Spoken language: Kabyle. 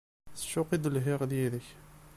S ccuq i d-lhiɣ d yid-k!